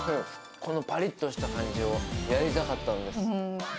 このぱりっとした感じをやりたかったんです。